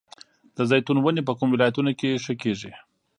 د زیتون ونې په کومو ولایتونو کې ښه کیږي؟